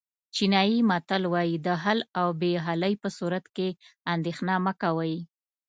چینایي متل وایي د حل او بې حلۍ په صورت کې اندېښنه مه کوئ.